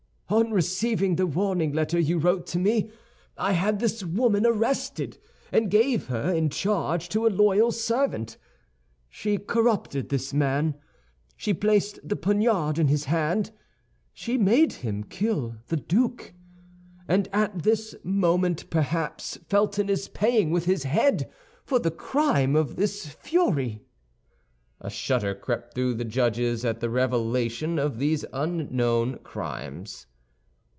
On receiving the warning letter you wrote to me, I had this woman arrested, and gave her in charge to a loyal servant. She corrupted this man; she placed the poniard in his hand; she made him kill the duke. And at this moment, perhaps, Felton is paying with his head for the crime of this fury!" A shudder crept through the judges at the revelation of these unknown crimes.